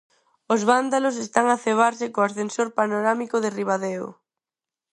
Os vándalos están a cebarse co ascensor panorámico de Ribadeo.